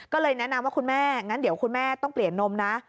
ก็เลยแนะนำว่าคุณแม่งั้นเดี๋ยวคุณแม่ต้องเปลี่ยนนมนะ